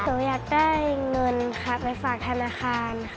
หนูอยากได้เงินไปฝากธรรมคาน